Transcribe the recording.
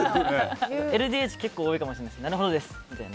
ＬＤＨは結構多いかもしれないです。